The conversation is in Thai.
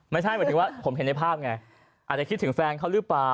ไม่ใช่หมายถึงว่าผมเห็นในภาพไงอาจจะคิดถึงแฟนเขาหรือเปล่า